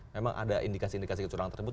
memang ada indikasi indikasi kecurangan tersebut